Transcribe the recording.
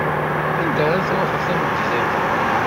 Anda ara tṛuḥeḍ tameddit-aki?